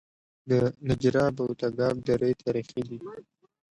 د نجراب او تګاب درې تاریخي دي